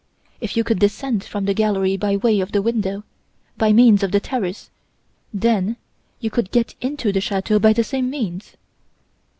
If you could descend from the gallery by way of the window, by means of the terrace, then you could get into the chateau by the same means.